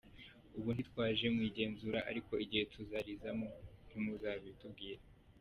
Ubu ntitwaje mu igenzura ariko igihe tuzarizamo ntimuzabitubwira.